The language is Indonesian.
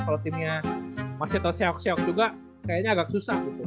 kalau team nya masih tersyok syok juga kayaknya agak susah gitu